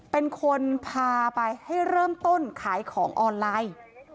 เป็นคนพาไปให้เริ่มต้นขายของออนไลน์